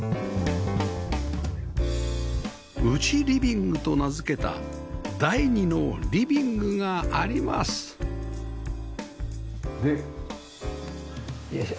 内リビングと名付けた第二のリビングがありますでよいしょ。